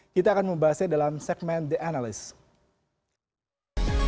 kita akan membahasnya dalam segmen the analyst